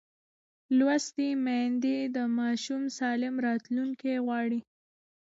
لوستې میندې د ماشوم سالم راتلونکی غواړي.